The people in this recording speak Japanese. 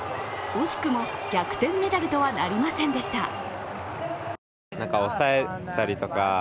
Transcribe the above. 惜しくも逆転メダルとはなりませんでした。